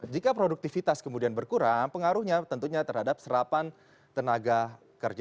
jika produktivitas kemudian berkurang pengaruhnya tentunya terhadap serapan tenaga kerja